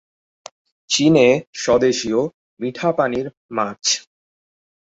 চীনে স্বদেশীয় মিঠাপানির মাছ।